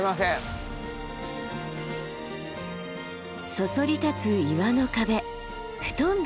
そそり立つ岩の壁布団菱。